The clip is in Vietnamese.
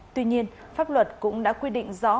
tuy nhiên pháp luật cũng đã quy định rõ